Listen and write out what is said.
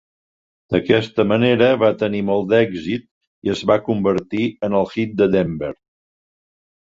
D'aquesta manera va tenir molt d'èxit i es va convertir en el hit de Denver.